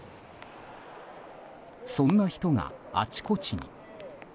そんな人があちこちに。